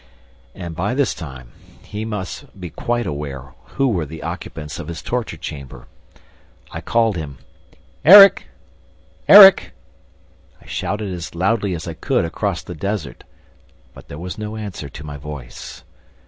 And by this time he must be quite aware who were the occupants of his torture chamber. I called him: "Erik! Erik!" I shouted as loudly as I could across the desert, but there was no answer to my voice.